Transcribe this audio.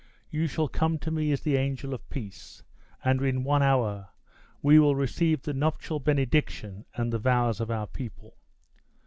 You shall come to me as the angel of peace, and in one hour we will receive the nuptial benediction and the vows of our people!"